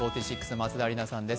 松田里奈さんです。